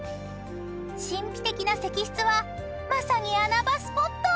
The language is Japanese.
［神秘的な石室はまさに穴場スポット］